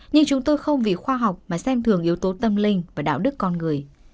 nhưng chúng tôi không vì khoa học mà xem thường yếu tố tâm linh và đạo đức con người